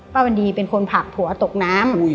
วันดีเป็นคนผลักผัวตกน้ำ